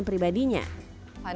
pertama adalah perubahan lingkungan